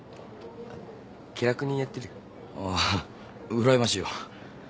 ああうらやましいよ。